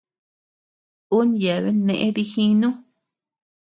Un yeabean neʼe dijinu.